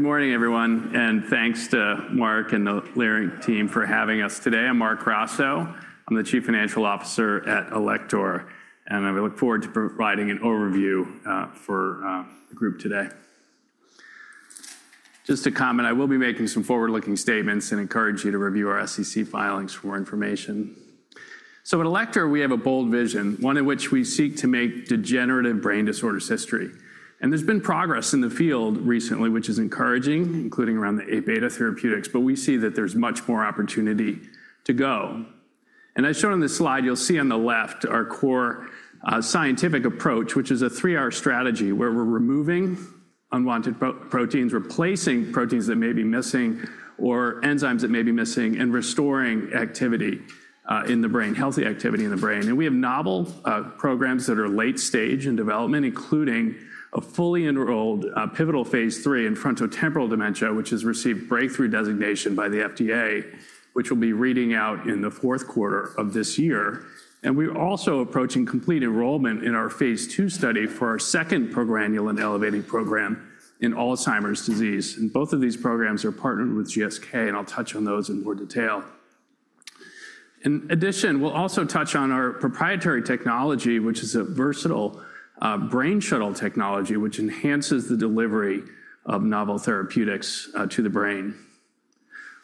Good morning, everyone. Thanks to Mark and the Leerink team for having us today. I'm Marc Grasso. I'm the Chief Financial Officer at Alector, and I look forward to providing an overview for the group today. Just a comment: I will be making some forward-looking statements and encourage you to review our SEC filings for more information. At Alector, we have a bold vision, one in which we seek to make degenerative brain disorders history. There has been progress in the field recently, which is encouraging, including around the Aβ therapeutics, but we see that there is much more opportunity to go. As shown on this slide, you'll see on the left our core scientific approach, which is a three-R strategy where we're removing unwanted proteins, replacing proteins that may be missing or enzymes that may be missing, and restoring activity in the brain, healthy activity in the brain. We have novel programs that are late-stage in development, including a fully enrolled pivotal phase three in frontotemporal dementia, which has received breakthrough designation by the FDA, which will be reading out in the fourth quarter of this year. We're also approaching complete enrollment in our phase two study for our second progranulin-elevating program in Alzheimer's disease. Both of these programs are partnered with GSK, and I'll touch on those in more detail. In addition, we'll also touch on our proprietary technology, which is a versatile brain shuttle technology, which enhances the delivery of novel therapeutics to the brain.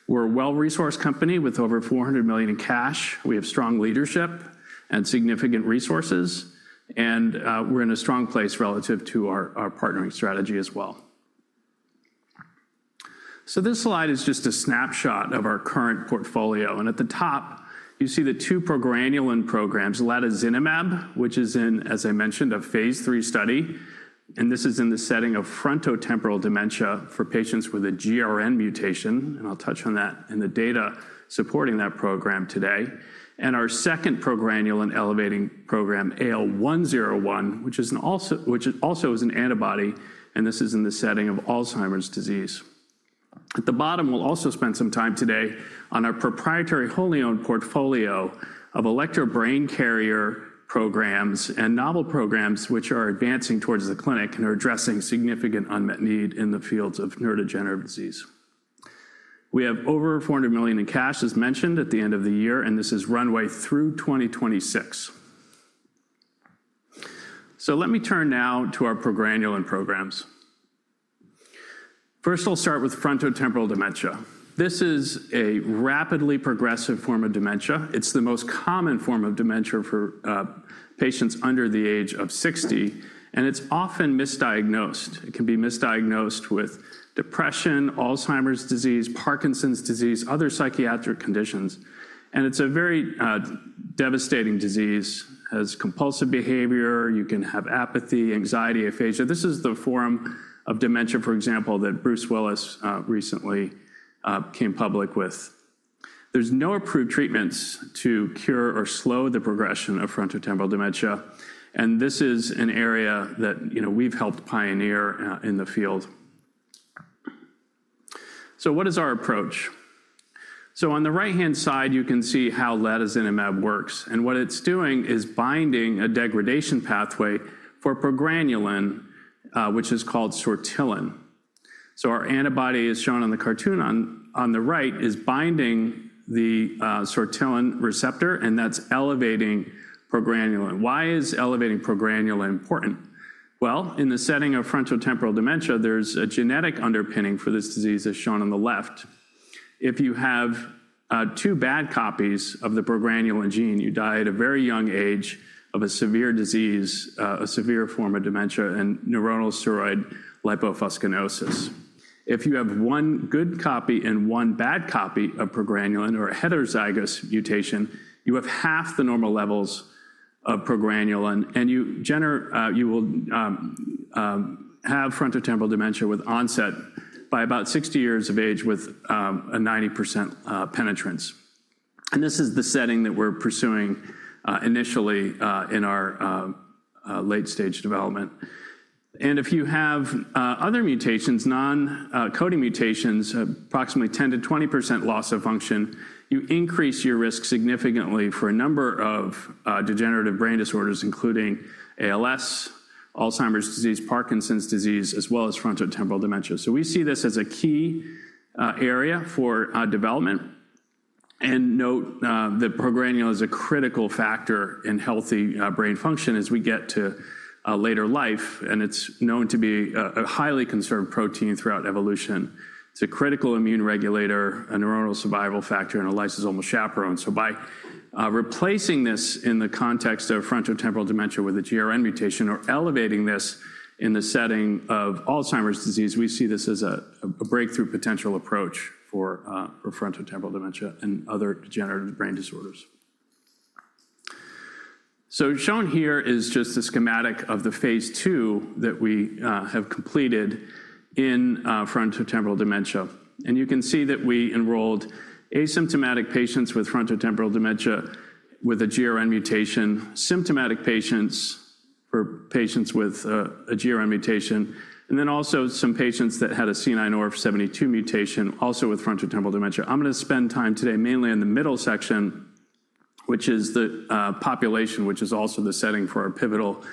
We're a well-resourced company with over $400 million in cash. We have strong leadership and significant resources, and we're in a strong place relative to our partnering strategy as well. This slide is just a snapshot of our current portfolio. At the top, you see the two progranulin programs, latozinemab, which is in, as I mentioned, a phase three study. This is in the setting of frontotemporal dementia for patients with a GRN mutation. I'll touch on that in the data supporting that program today. Our second progranulin-elevating program, AL101, which also is an antibody, is in the setting of Alzheimer's disease. At the bottom, we'll also spend some time today on our proprietary wholly-owned portfolio of Alector Brain Carrier programs and novel programs which are advancing towards the clinic and are addressing significant unmet need in the fields of neurodegenerative disease. We have over $400 million in cash, as mentioned, at the end of the year, and this is runway through 2026. Let me turn now to our progranulin programs. First, I'll start with frontotemporal dementia. This is a rapidly progressive form of dementia. It's the most common form of dementia for patients under the age of 60, and it's often misdiagnosed. It can be misdiagnosed with depression, Alzheimer's disease, Parkinson's disease, and other psychiatric conditions. It's a very devastating disease. It has compulsive behavior. You can have apathy, anxiety, aphasia. This is the form of dementia, for example, that Bruce Willis recently came public with. There's no approved treatments to cure or slow the progression of frontotemporal dementia, and this is an area that we've helped pioneer in the field. What is our approach? On the right-hand side, you can see how latozinemab works. What it's doing is binding a degradation pathway for progranulin, which is called sortilin. Our antibody, as shown on the cartoon on the right, is binding the sortilin receptor, and that's elevating progranulin. Why is elevating progranulin important? In the setting of frontotemporal dementia, there's a genetic underpinning for this disease, as shown on the left. If you have two bad copies of the progranulin gene, you die at a very young age of a severe disease, a severe form of dementia and neuronal ceroid lipofuscinosis. If you have one good copy and one bad copy of progranulin or a heterozygous mutation, you have half the normal levels of progranulin, and you will have frontotemporal dementia with onset by about 60 years of age with a 90% penetrance. This is the setting that we're pursuing initially in our late-stage development. If you have other mutations, non-coding mutations, approximately 10%-20% loss of function, you increase your risk significantly for a number of degenerative brain disorders, including ALS, Alzheimer's disease, Parkinson's disease, as well as frontotemporal dementia. We see this as a key area for development. Note that progranulin is a critical factor in healthy brain function as we get to later life, and it's known to be a highly conserved protein throughout evolution. It's a critical immune regulator, a neuronal survival factor, and a lysosomal chaperone. By replacing this in the context of frontotemporal dementia with a GRN mutation or elevating this in the setting of Alzheimer's disease, we see this as a breakthrough potential approach for frontotemporal dementia and other degenerative brain disorders. Shown here is just a schematic of the phase two that we have completed in frontotemporal dementia. You can see that we enrolled asymptomatic patients with frontotemporal dementia with a GRN mutation, symptomatic patients for patients with a GRN mutation, and then also some patients that had a C9ORF72 mutation, also with frontotemporal dementia. I am going to spend time today mainly in the middle section, which is the population, which is also the setting for our pivotal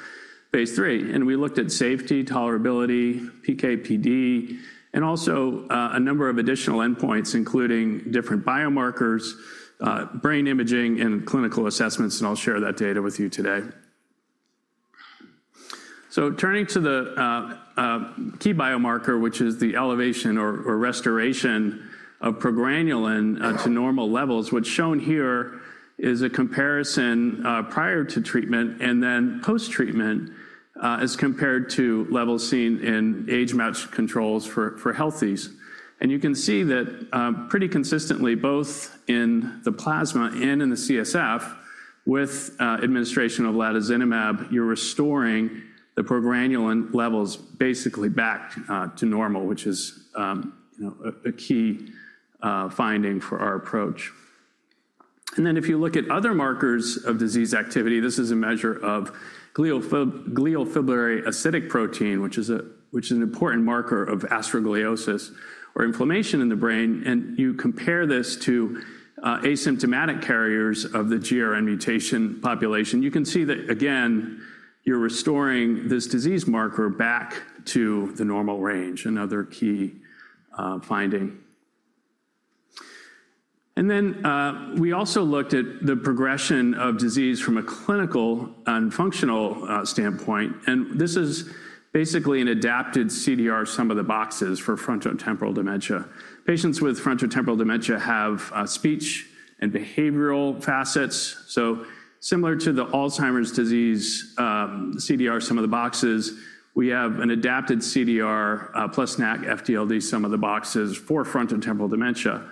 phase three. We looked at safety, tolerability, PK/PD, and also a number of additional endpoints, including different biomarkers, brain imaging, and clinical assessments, and I will share that data with you today. Turning to the key biomarker, which is the elevation or restoration of progranulin to normal levels, what is shown here is a comparison prior to treatment and then post-treatment as compared to levels seen in age-matched controls for healthies. You can see that pretty consistently, both in the plasma and in the CSF, with administration of latozinemab, you're restoring the progranulin levels basically back to normal, which is a key finding for our approach. If you look at other markers of disease activity, this is a measure of glial fibrillary acidic protein, which is an important marker of astrogliosis or inflammation in the brain. You compare this to asymptomatic carriers of the GRN mutation population, you can see that, again, you're restoring this disease marker back to the normal range, another key finding. We also looked at the progression of disease from a clinical and functional standpoint. This is basically an adapted CDR plus NACC FTLD sum of boxes for frontotemporal dementia. Patients with frontotemporal dementia have speech and behavioral facets. Similar to the Alzheimer's disease CDR sum of the boxes, we have an adapted CDR plus NACC FTDLD sum of the boxes for frontotemporal dementia.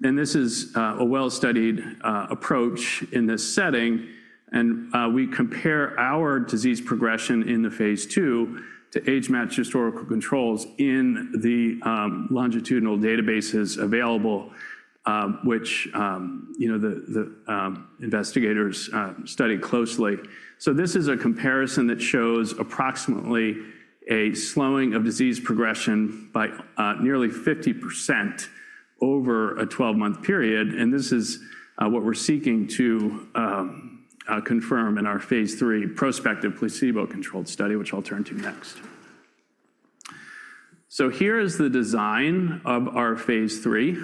This is a well-studied approach in this setting. We compare our disease progression in the phase two to age-matched historical controls in the longitudinal databases available, which the investigators studied closely. This is a comparison that shows approximately a slowing of disease progression by nearly 50% over a 12-month period. This is what we're seeking to confirm in our phase three prospective placebo-controlled study, which I'll turn to next. Here is the design of our phase three.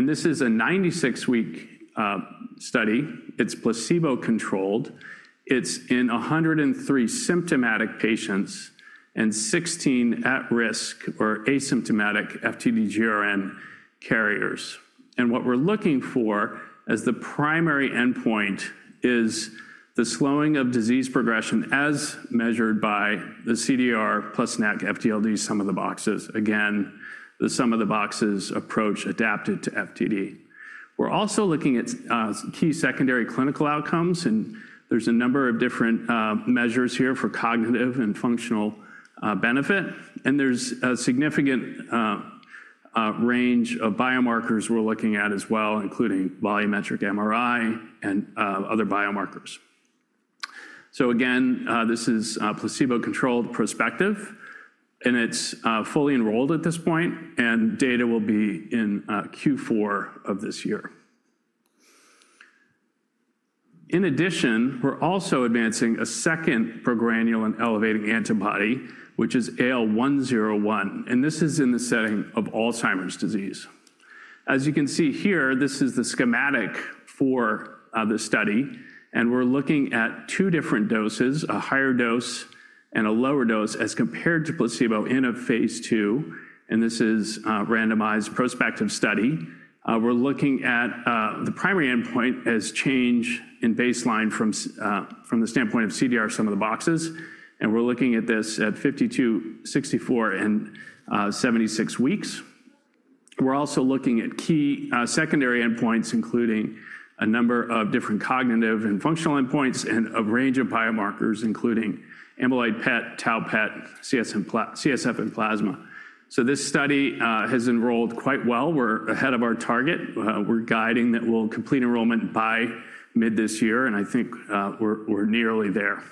This is a 96-week study. It's placebo-controlled. It's in 103 symptomatic patients and 16 at-risk or asymptomatic FTD GRN carriers. What we're looking for as the primary endpoint is the slowing of disease progression as measured by the CDR plus NACC FTLD sum of boxes. The sum of boxes approach is adapted to FTD. We're also looking at key secondary clinical outcomes, and there's a number of different measures here for cognitive and functional benefit. There's a significant range of biomarkers we're looking at as well, including volumetric MRI and other biomarkers. This is placebo-controlled, prospective, and it's fully enrolled at this point, and data will be in Q4 of this year. In addition, we're also advancing a second progranulin-elevating antibody, which is AL101. This is in the setting of Alzheimer's disease. As you can see here, this is the schematic for the study, and we're looking at two different doses, a higher dose and a lower dose as compared to placebo in a phase two. This is a randomized prospective study. We're looking at the primary endpoint as change in baseline from the standpoint of CDR sum of the boxes. We're looking at this at 52, 64, and 76 weeks. We're also looking at key secondary endpoints, including a number of different cognitive and functional endpoints and a range of biomarkers, including amyloid PET, tau PET, CSF, and plasma. This study has enrolled quite well. We're ahead of our target. We're guiding that we'll complete enrollment by mid this year, and I think we're nearly there.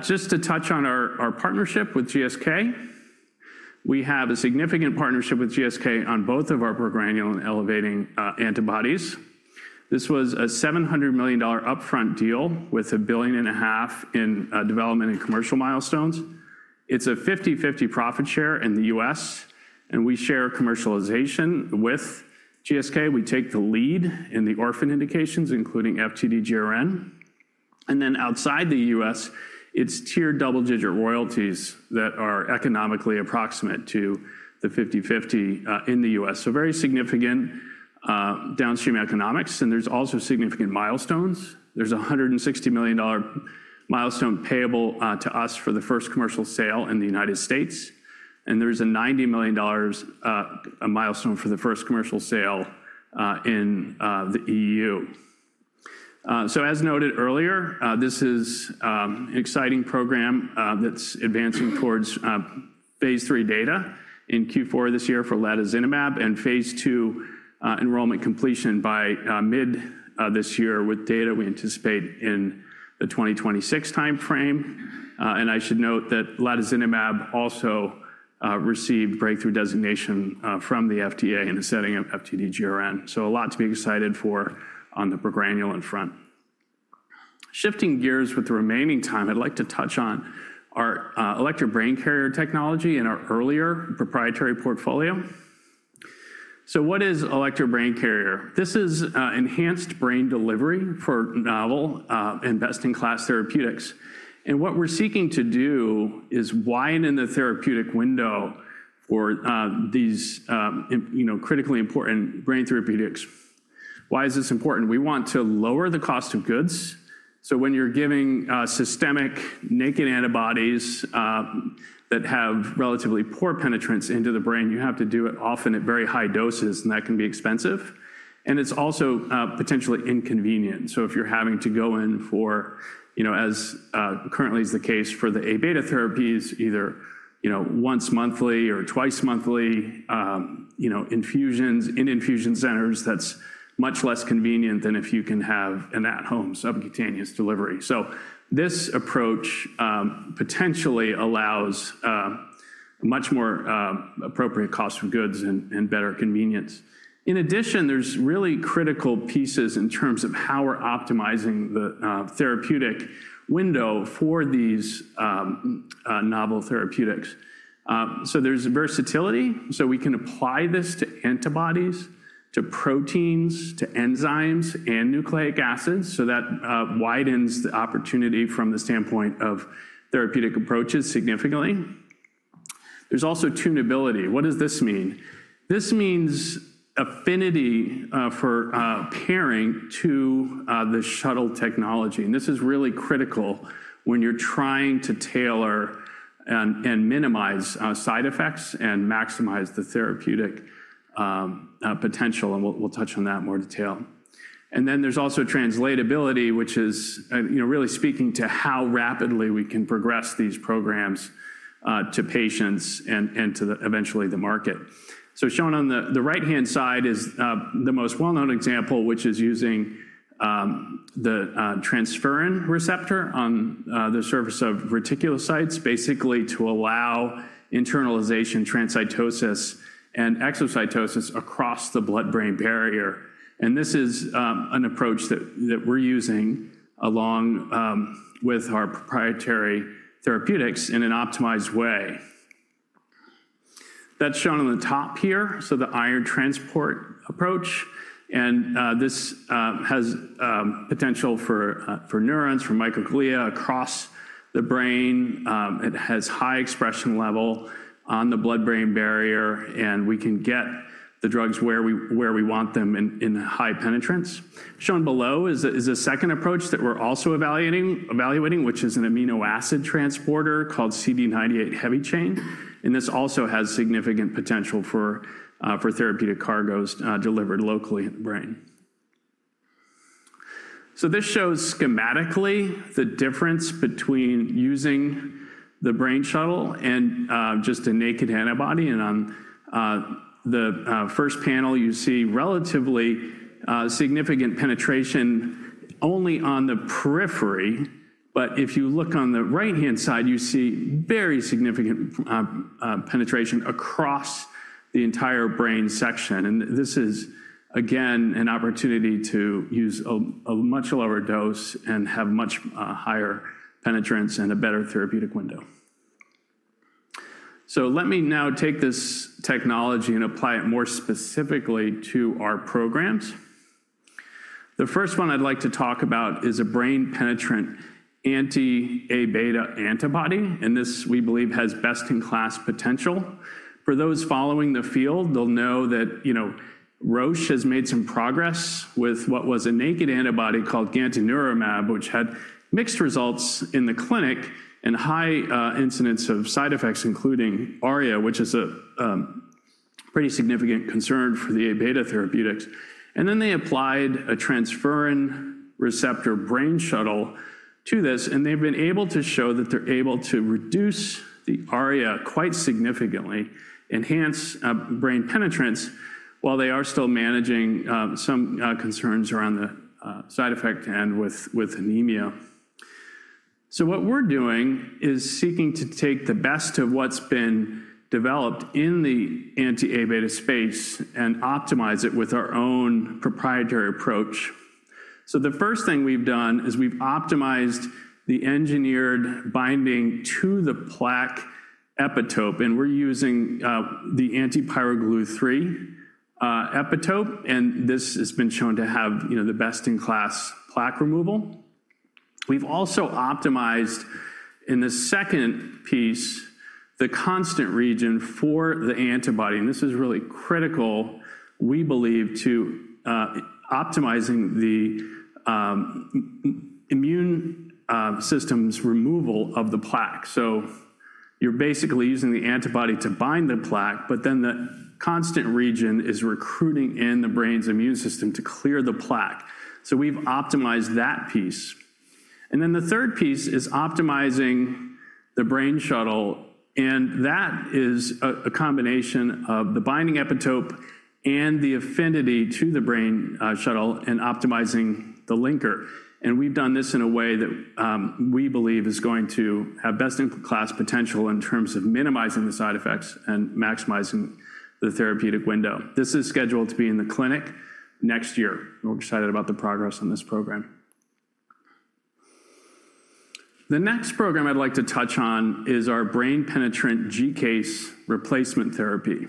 Just to touch on our partnership with GSK, we have a significant partnership with GSK on both of our progranulin-elevating antibodies. This was a $700 million upfront deal with a billion and a half in development and commercial milestones. It's a 50/50 profit share in the US, and we share commercialization with GSK. We take the lead in the orphan indications, including FTD GRN. Outside the US, it's tiered double-digit royalties that are economically approximate to the 50/50 in the US. Very significant downstream economics. There's also significant milestones. There's a $160 million milestone payable to us for the first commercial sale in the United States. There's a $90 million milestone for the first commercial sale in the EU. As noted earlier, this is an exciting program that's advancing towards phase three data in Q4 this year for latozinemab and phase two enrollment completion by mid this year with data we anticipate in the 2026 timeframe. I should note that latozinemab also received breakthrough designation from the FDA in the setting of FTD GRN. A lot to be excited for on the progranulin front. Shifting gears with the remaining time, I'd like to touch on our Alector Brain Carrier technology in our earlier proprietary portfolio. What is Alector Brain Carrier? This is enhanced brain delivery for novel and best-in-class therapeutics. What we're seeking to do is widen the therapeutic window for these critically important brain therapeutics. Why is this important? We want to lower the cost of goods. When you're giving systemic naked antibodies that have relatively poor penetrance into the brain, you have to do it often at very high doses, and that can be expensive. It's also potentially inconvenient. If you're having to go in for, as currently is the case for the Aβ therapies, either once monthly or twice monthly infusions in infusion centers, that's much less convenient than if you can have an at-home subcutaneous delivery. This approach potentially allows much more appropriate cost of goods and better convenience. In addition, there's really critical pieces in terms of how we're optimizing the therapeutic window for these novel therapeutics. There's versatility. We can apply this to antibodies, to proteins, to enzymes, and nucleic acids. That widens the opportunity from the standpoint of therapeutic approaches significantly. There's also tunability. What does this mean? This means affinity for pairing to the shuttle technology. This is really critical when you're trying to tailor and minimize side effects and maximize the therapeutic potential. We'll touch on that in more detail. There is also translatability, which is really speaking to how rapidly we can progress these programs to patients and to eventually the market. Shown on the right-hand side is the most well-known example, which is using the transferrin receptor on the surface of reticulocytes, basically to allow internalization, transcytosis, and exocytosis across the blood-brain barrier. This is an approach that we are using along with our proprietary therapeutics in an optimized way. That is shown on the top here, the iron transport approach. This has potential for neurons, for microglia across the brain. It has high expression level on the blood-brain barrier, and we can get the drugs where we want them in high penetrance. Shown below is a second approach that we are also evaluating, which is an amino acid transporter called CD98 heavy chain. This also has significant potential for therapeutic cargoes delivered locally in the brain. This shows schematically the difference between using the brain shuttle and just a naked antibody. On the first panel, you see relatively significant penetration only on the periphery. If you look on the right-hand side, you see very significant penetration across the entire brain section. This is, again, an opportunity to use a much lower dose and have much higher penetrance and a better therapeutic window. Let me now take this technology and apply it more specifically to our programs. The first one I'd like to talk about is a brain-penetrant anti-Aβ antibody. This, we believe, has best-in-class potential. For those following the field, they'll know that Roche has made some progress with what was a naked antibody called gantenerumab, which had mixed results in the clinic and high incidence of side effects, including ARIA, which is a pretty significant concern for the Aβ therapeutics. They applied a transferrin receptor brain shuttle to this, and they've been able to show that they're able to reduce the ARIA quite significantly, enhance brain penetrance while they are still managing some concerns around the side effect and with anemia. What we're doing is seeking to take the best of what's been developed in the anti-Aβ space and optimize it with our own proprietary approach. The first thing we've done is we've optimized the engineered binding to the plaque epitope. We're using the anti-PyroGlu-3 epitope. This has been shown to have the best-in-class plaque removal. We've also optimized in the second piece the constant region for the antibody. This is really critical, we believe, to optimizing the immune system's removal of the plaque. You're basically using the antibody to bind the plaque, but then the constant region is recruiting in the brain's immune system to clear the plaque. We've optimized that piece. The third piece is optimizing the brain shuttle. That is a combination of the binding epitope and the affinity to the brain shuttle and optimizing the linker. We've done this in a way that we believe is going to have best-in-class potential in terms of minimizing the side effects and maximizing the therapeutic window. This is scheduled to be in the clinic next year. We're excited about the progress on this program. The next program I'd like to touch on is our brain-penetrant GCase replacement therapy.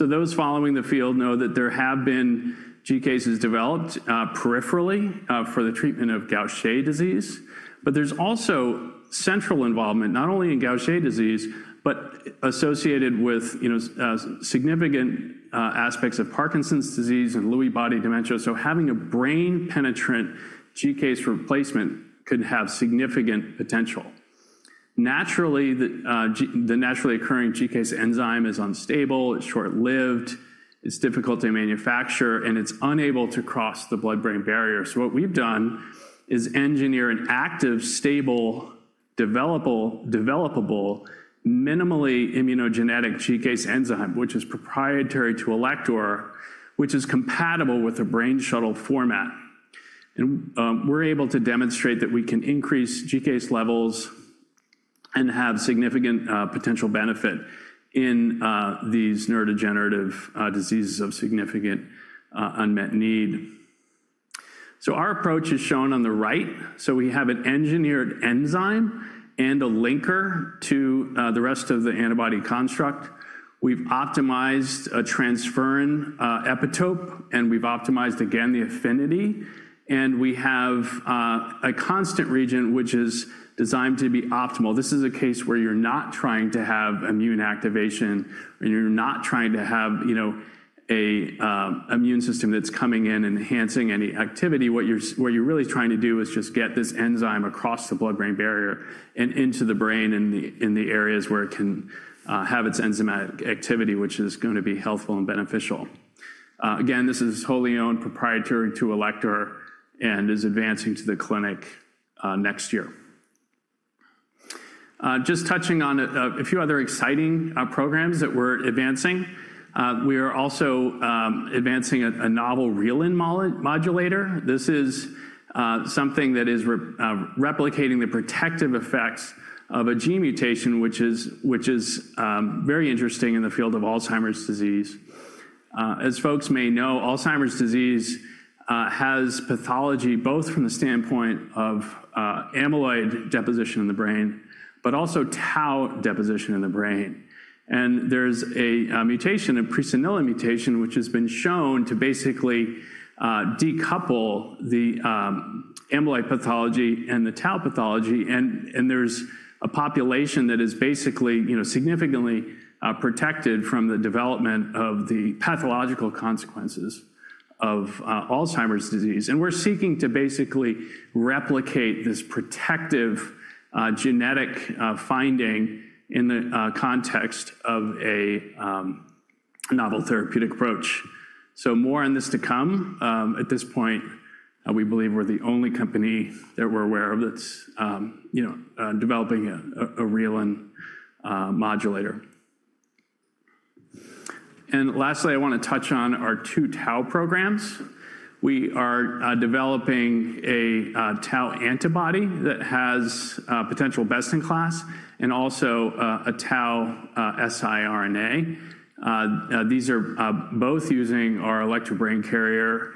Those following the field know that there have been GCase enzymes developed peripherally for the treatment of Gaucher disease. There is also central involvement, not only in Gaucher disease, but associated with significant aspects of Parkinson's disease and Lewy body dementia. Having a brain-penetrant GCase replacement could have significant potential. The naturally occurring GCase enzyme is unstable. It is short-lived. It is difficult to manufacture, and it is unable to cross the blood-brain barrier. What we have done is engineer an active, stable, developable, minimally immunogenic GCase enzyme, which is proprietary to Alector, which is compatible with a brain shuttle format. We are able to demonstrate that we can increase GCase levels and have significant potential benefit in these neurodegenerative diseases of significant unmet need. Our approach is shown on the right. We have an engineered enzyme and a linker to the rest of the antibody construct. We've optimized a transferrin epitope, and we've optimized, again, the affinity. We have a constant region, which is designed to be optimal. This is a case where you're not trying to have immune activation, and you're not trying to have an immune system that's coming in and enhancing any activity. What you're really trying to do is just get this enzyme across the blood-brain barrier and into the brain in the areas where it can have its enzymatic activity, which is going to be helpful and beneficial. Again, this is wholly owned, proprietary to Alector, and is advancing to the clinic next year. Just touching on a few other exciting programs that we're advancing. We are also advancing a novel Reelin modulator. This is something that is replicating the protective effects of a gene mutation, which is very interesting in the field of Alzheimer's disease. As folks may know, Alzheimer's disease has pathology both from the standpoint of amyloid deposition in the brain, but also tau deposition in the brain. There is a mutation, a presenilin mutation, which has been shown to basically decouple the amyloid pathology and the tau pathology. There is a population that is basically significantly protected from the development of the pathological consequences of Alzheimer's disease. We are seeking to basically replicate this protective genetic finding in the context of a novel therapeutic approach. More on this to come. At this point, we believe we are the only company that we are aware of that is developing a Reelin modulator. Lastly, I want to touch on our two tau programs. We are developing a tau antibody that has potential best-in-class and also a tau siRNA. These are both using our Alector Brain Carrier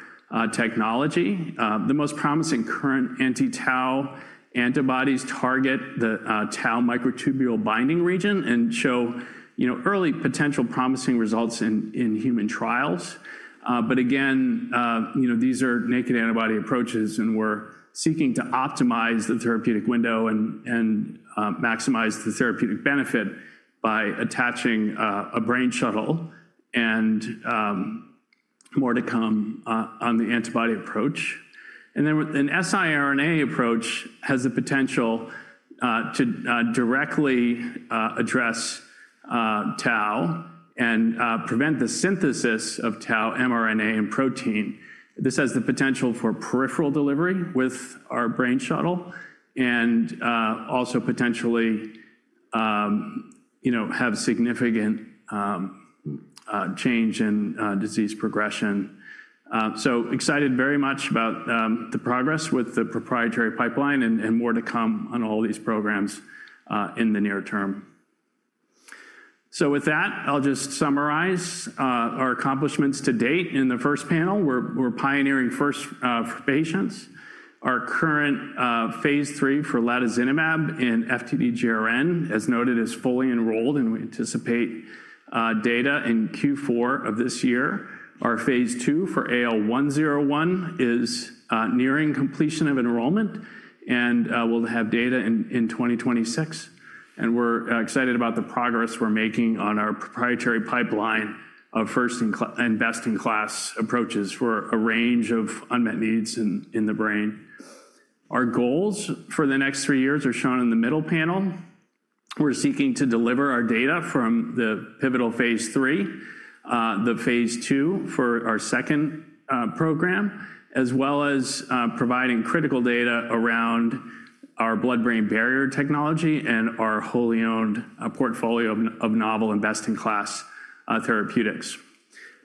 technology. The most promising current anti-tau antibodies target the tau microtubule binding region and show early potential promising results in human trials. These are naked antibody approaches, and we're seeking to optimize the therapeutic window and maximize the therapeutic benefit by attaching a brain shuttle. More to come on the antibody approach. An siRNA approach has the potential to directly address tau and prevent the synthesis of tau mRNA and protein. This has the potential for peripheral delivery with our brain shuttle and also potentially have significant change in disease progression. Excited very much about the progress with the proprietary pipeline and more to come on all these programs in the near term. With that, I'll just summarize our accomplishments to date. In the first panel, we're pioneering first for patients. Our current phase three for latozinemab and FTD-GRN, as noted, is fully enrolled, and we anticipate data in Q4 of this year. Our phase two for AL101 is nearing completion of enrollment and will have data in 2026. We are excited about the progress we are making on our proprietary pipeline of first-in-class and best-in-class approaches for a range of unmet needs in the brain. Our goals for the next three years are shown in the middle panel. We are seeking to deliver our data from the pivotal phase three, the phase two for our second program, as well as providing critical data around our blood-brain barrier technology and our wholly owned portfolio of novel and best-in-class therapeutics.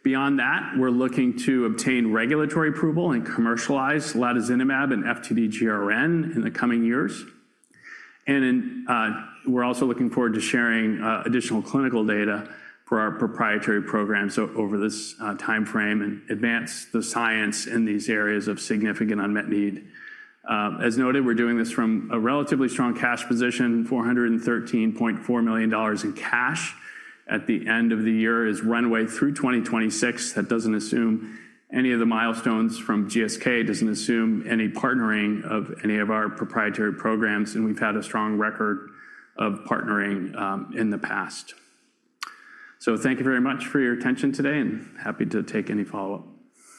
Beyond that, we are looking to obtain regulatory approval and commercialize latozinemab and FTD-GRN in the coming years. We are also looking forward to sharing additional clinical data for our proprietary programs over this timeframe and advance the science in these areas of significant unmet need. As noted, we are doing this from a relatively strong cash position, $413.4 million in cash at the end of the year as runway through 2026. That does not assume any of the milestones from GSK. It does not assume any partnering of any of our proprietary programs. We have had a strong record of partnering in the past. Thank you very much for your attention today, and happy to take any follow-up.